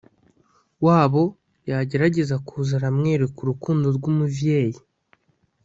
wabo yagerageza kuza aramwereka urukundo rwumuvyeyi